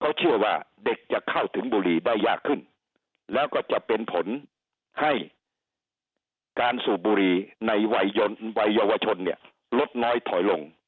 เขาเชื่อว่าเด็กจะเข้าถึงบุรีได้ยากขึ้นแล้วก็จะเป็นผลให้การสูบบุรีในวัยเยาวชนเนี่ยลดน้อยถอยลง